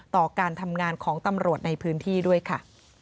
ต่อการทำงานของตำรวจในพื้นที่ด้วยค่ะ